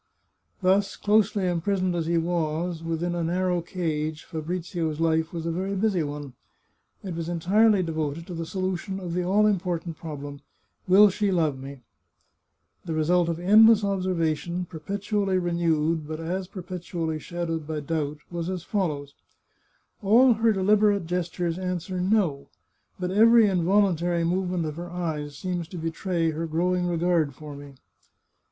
Thus, closely imprisoned as he was, within a narrow cage, Fabrizio's life was a very busy one. It was entirely devoted to the solution of the all important problem, " Will she love me ?" The result of endless observation, perpetu ally renewed, but as perpetually shadowed by doubt, was as follows :" All her deliberate gestures answer ' No,' but every involuntary movement of her eyes seems to betray her grow ing regard for me."